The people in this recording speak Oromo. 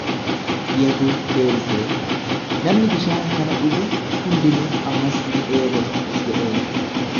Yesuus deebisee, Namni bishaan kana dhugu hundinuu ammas ni dheebota jedheen.